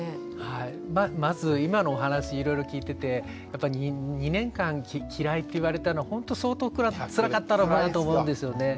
まず今のお話いろいろ聞いててやっぱり２年間嫌いって言われたのほんと相当これはつらかったろうと思うんですよね。